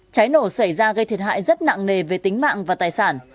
cháy nổ xảy ra gây thiệt hại rất nặng nề về tính mạng và tài sản